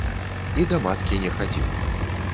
І да маткі не хадзіў.